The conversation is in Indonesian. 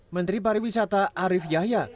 menteri pariwisata arief yahya